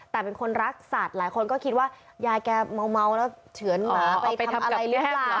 แต่เป็นคนรักสัตว์หลายคนก็คิดว่ายายแกเมาแล้วเฉือนหมาไปทำอะไรหรือเปล่า